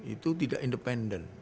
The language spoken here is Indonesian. itu tidak independen